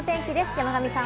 山神さん